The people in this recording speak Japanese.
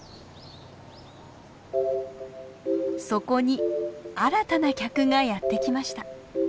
そこに新たな客がやって来ました。